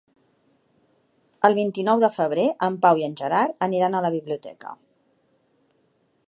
El vint-i-nou de febrer en Pau i en Gerard aniran a la biblioteca.